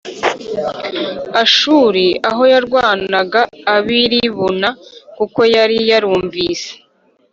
Ashuri aho yarwanyaga ab i Libuna d kuko yari yarumvise